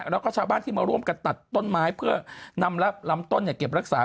แล้วก็ชาวบ้านที่มาร่วมกันตัดต้นไม้เพื่อนำลำต้นเก็บรักษา